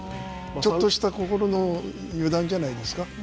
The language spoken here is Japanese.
ちょっとした心の油断じゃないですか。